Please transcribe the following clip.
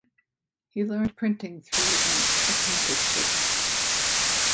He learned printing through an apprenticeship.